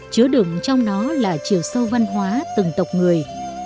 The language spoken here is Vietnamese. chứa đựng trong đó là chiều sâu văn hóa từng tộc người